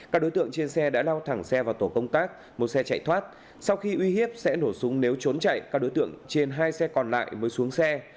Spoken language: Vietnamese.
các đối tượng trên xe đã lao thẳng xe vào tổ công tác một xe chạy thoát sau khi uy hiếp sẽ nổ súng nếu trốn chạy các đối tượng trên hai xe còn lại mới xuống xe